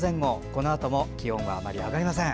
このあとも気温はあまり上がりません。